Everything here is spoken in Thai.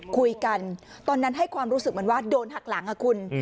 คุยกันตอนนั้นให้ความรู้สึกเหมือนว่าโดนหักหลังอ่ะคุณ